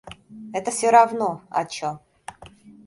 Это всё равно, о чем.